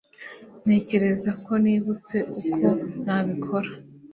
ntekereza ko nibutse uko nabikora